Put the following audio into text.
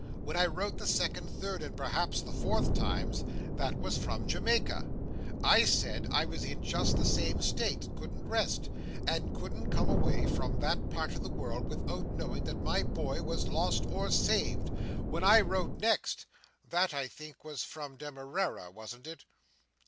When I wrote the second, third, and perhaps the fourth times—that was from Jamaica—I said I was in just the same state, couldn't rest, and couldn't come away from that part of the world, without knowing that my boy was lost or saved. When I wrote next—that, I think, was from Demerara, wasn't it?"